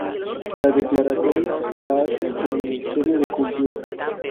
La declaratoria la hace el Ministerio de Cultura.